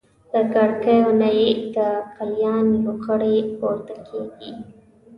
له کړکیو نه یې د قلیان لوخړې پورته کېږي.